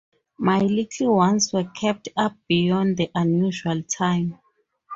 My little ones were kept up beyond the usual time.